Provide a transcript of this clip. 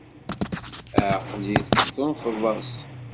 Ɛeqel-it tunefeḍ-as!